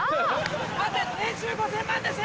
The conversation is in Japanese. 待って年収５０００万です。